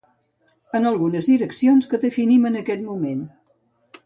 En algunes direccions que definim en aquest moment.